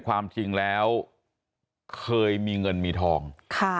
ความจริงแล้วเคยมีเงินมีทอง